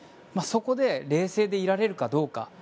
そこで冷静でいられるかどうか。